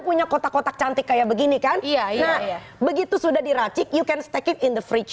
punya kotak kotak cantik kayak begini kan iya begitu sudah diracik you can stay in the fridge